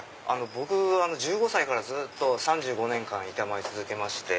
僕１５歳からずっと３５年間板前続けまして。